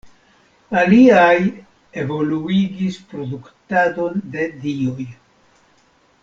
Aliaj evoluigis produktadon de dioj.